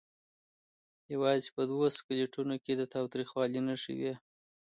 یوازې په دوو سکلیټونو کې د تاوتریخوالي نښې وې.